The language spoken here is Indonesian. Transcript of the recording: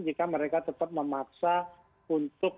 jika mereka tetap memaksa untuk melanggar ketentuan